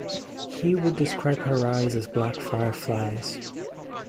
He would describe her eyes as "black fireflies".